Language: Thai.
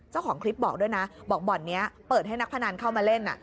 เจ้าของคลิปบอกด้วยนะบอกบ่อนนี้เปิดให้นักพนันเข้ามาเล่น